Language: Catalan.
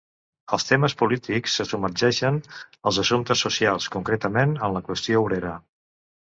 Els temes polítics se submergeixen als assumptes socials, concretament en la qüestió obrera.